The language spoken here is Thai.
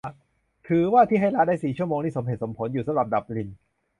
ถือว่าที่ให้ลาได้สี่ชั่วโมง นี่สมเหตุสมผลอยู่ สำหรับดับลิน